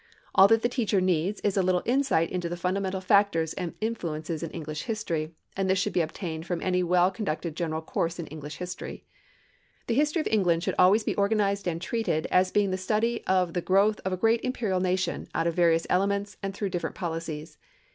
All that the teacher needs is a little insight into the fundamental factors and influences in English history, and this should be obtained from any well conducted general course in English history. The history of England should always be organized and treated as being the study of the growth of a great imperial nation out of various elements and through different policies.